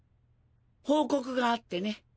報告があってね。